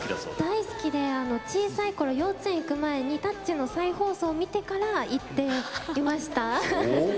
大好きで小さいころ幼稚園に行く前タッチの再放送を見てから行ってました。